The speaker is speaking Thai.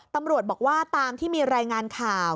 ตำรวจบอกว่าตามที่มีรายงานข่าว